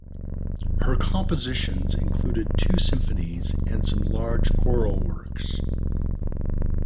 Her compositions included two symphonies and some large choral works.